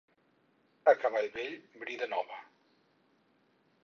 A cavall vell, brida nova.